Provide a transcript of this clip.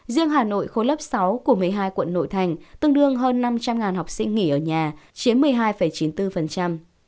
riêng hà nội khối lớp sáu của một mươi hai quận nội thành tương đương hơn năm trăm linh học sinh nghỉ ở nhà chiếm một mươi hai chín mươi bốn